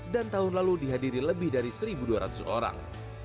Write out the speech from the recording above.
dan tahun lalu dihadiri lebih dari satu dua ratus orang